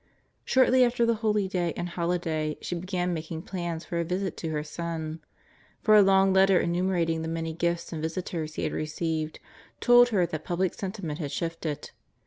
Shortly after the holyday and holiday she began making plans for a visit to her son; for a long letter enumerating the many gifts and visitors he had received, told her that public sentiment had shifted.